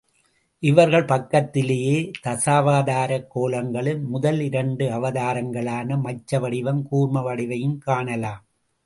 இவர்கள் பக்கத்திலேயே தசாவதாரக் கோலங்களில் முதல் இரண்டு அவதாரங்களான மச்ச வடிவும் கூர்ம வடிவையும் காணலாம்.